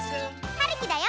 はるきだよ！